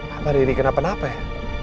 hari ini kenapa kenapa ya